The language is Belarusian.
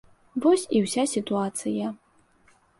Вось і ўся сітуацыя.